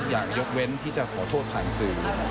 ยกเว้นที่จะขอโทษผ่านสื่อ